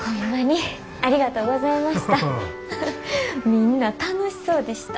みんな楽しそうでした。